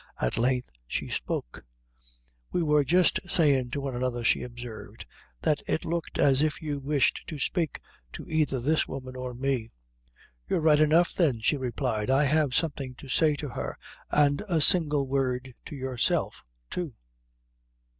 At length she spoke: "We wor jist sayin' to one another," she observed, "that it looked as if you wished to spake to either this woman or me." "You're right enough, then," she replied; "I have something to say to her, and a single word to yourself, too."